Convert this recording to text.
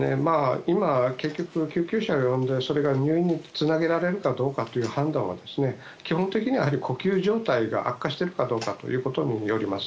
今、結局救急車を呼んで入院につなげられるかどうかという判断は基本的には呼吸状態が悪化しているかどうかによります。